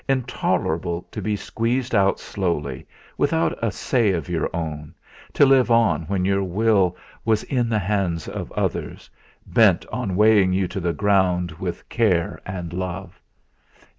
Intolerable to be squeezed out slowly, without a say of your own, to live on when your will was in the hands of others bent on weighing you to the ground with care and love.